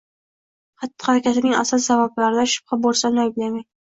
xatti-harakatining asl sabablarida shubha bo‘lsa, uni ayblamang.